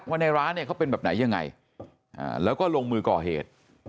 ในร้านเนี่ยเขาเป็นแบบไหนยังไงแล้วก็ลงมือก่อเหตุ